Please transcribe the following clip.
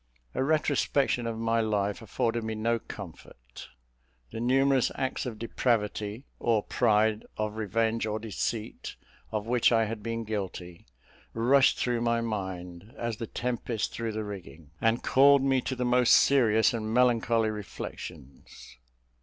A retrospection of my life afforded me no comfort. The numerous acts of depravity or pride, of revenge or deceit, of which I had been guilty, rushed through my mind, as the tempest through the rigging, and called me to the most serious and melancholy reflections.